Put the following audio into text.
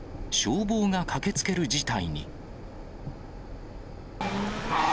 消防が駆けつける事態に。